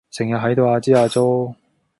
成日喺度阿支阿左